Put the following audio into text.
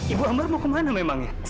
ibu ambar mau ke mana memangnya